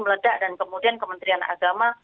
meledak dan kemudian kementerian agama